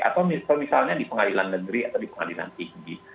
atau misalnya di pengadilan negeri atau di pengadilan tinggi